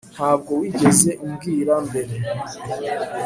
ntabwo wigeze umbwira mbere